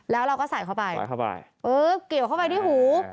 แล้วเราก็ใส่เข้าไปเออเกี่ยวเข้าไปที่หู